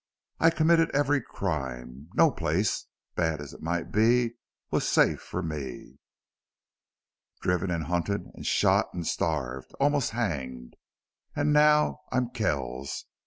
I committed every crime till no place, bad as it might be, was safe for me. Driven and hunted and shot and starved almost hanged!... And now I'm Kells!